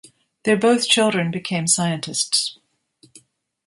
Their both children became scientists.